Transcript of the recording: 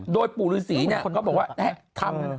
โดยปู่ฤษีเนี่ยเขาบอกว่าทำ